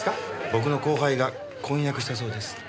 僕の後輩が婚約したそうです。